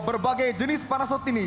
berbagai jenis parasut ini